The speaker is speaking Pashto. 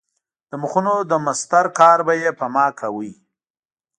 د مخونو د مسطر کار به یې په ما کاوه.